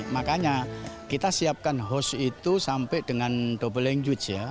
makanya kita siapkan host itu sampai dengan double engage ya